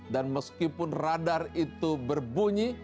dan meskipun radar itu berbunyi